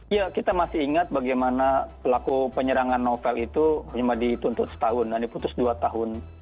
ya kita masih ingat bagaimana pelaku penyerangan novel itu cuma dituntut setahun dan diputus dua tahun